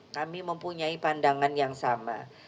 kami mempunyai pandangan yang sama